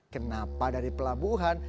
kenapa dari pelabuhan